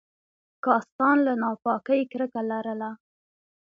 کاستان له ناپاکۍ کرکه لرله.